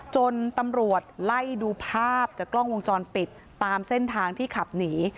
จนตำรวจไล่ดูภาพจากกล้องวงจรปิดตามเส้นทางที่ขับหนี